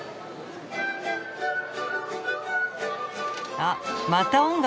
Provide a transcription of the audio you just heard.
あっまた音楽。